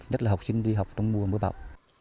nhất là học sinh đi học trong mùa mưa bão